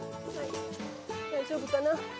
大丈夫かな？